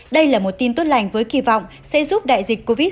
đây là một tin tốt lành với kỳ vọng sẽ giúp đại dịch covid một mươi